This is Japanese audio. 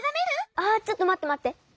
あちょっとまってまって。